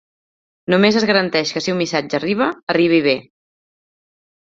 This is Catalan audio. Només es garanteix que si un missatge arriba, arribi bé.